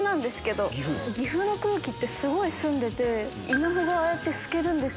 岐阜の空気ってすごい澄んでて稲穂がああやって透けるんです。